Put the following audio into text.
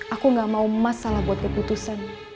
aku gak mau mas salah buat keputusan